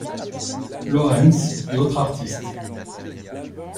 Laurens et autres artistes.